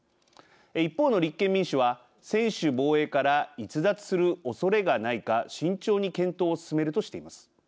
一方の立憲民主は専守防衛から逸脱するおそれがないか慎重に検討を進めるとしています。